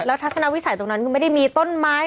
ทัศนวิสัยตรงนั้นคือไม่ได้มีต้นไม้